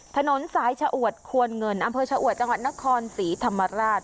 ถนนสายชะอวดควนเงินอำเภอชะอวดจังหวัดนครศรีธรรมราช